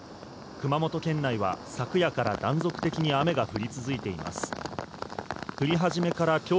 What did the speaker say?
熊本県内は昨夜から断続的に雨が降り続いています。